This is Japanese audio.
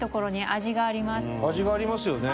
味がありますよね。